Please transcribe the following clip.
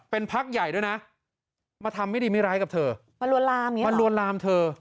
พ่อผู้หญิงไปร้องกับธนายตั้ม